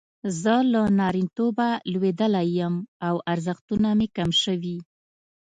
زه له نارینتوبه لویدلی یم او ارزښتونه مې کم شوي.